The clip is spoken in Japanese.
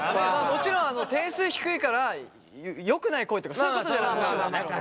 もちろん点数低いからよくない声とかそういうことじゃないと。